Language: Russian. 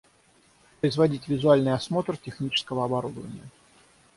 Производить визуальный осмотр технического оборудования